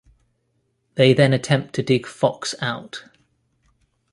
They then attempt to dig Fox out.